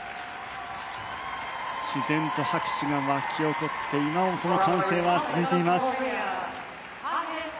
自然と拍手が沸き起こって今もその歓声は続いています。